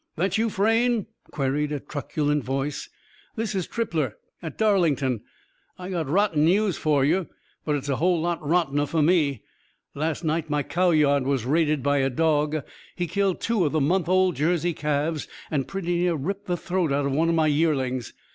"That you, Frayne?" queried a truculent voice. "This is Trippler, at Darlington. I got rotten news for you. But it's a whole lot rottener for me. Last night my cow yard was raided by a dog. He killed two of the month old Jersey calves and pretty near ripped the throat out of one of my yearlings.